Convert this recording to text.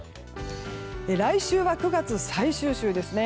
来週は９月最終週ですね。